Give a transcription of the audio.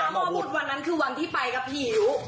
พี่ยามอบุฏวันนั้นคือวันที่ไปกับพี่หิว